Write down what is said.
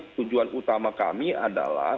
tujuan utama kami adalah